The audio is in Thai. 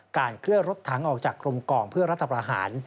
เคลื่อนรถถังออกจากกลมกองเพื่อรัฐประหาร